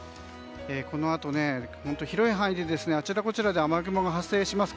このあと広い範囲であちらこちらで雨雲が発生します。